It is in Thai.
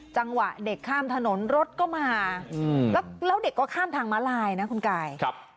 จังหวะเด็กข้ามถนนรถก็มาแล้วเด็กก็ข้ามทางม้าลายนะคุณกาย